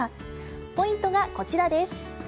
ポイントがこちらです。